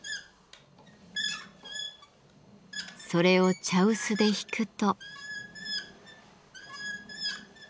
それを茶臼でひくと。